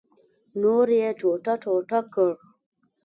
نور یې ټوټه ټوټه کړ.